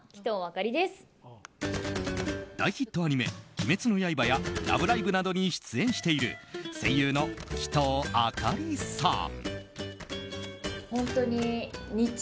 大ヒットアニメ「鬼滅の刃」や「ラブライブ！」などに出演している声優の鬼頭明里さん。